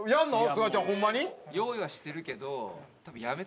すがちゃんホンマに？